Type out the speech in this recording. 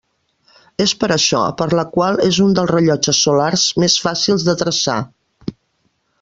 És per això, per la qual és un dels rellotges solars més fàcils de traçar.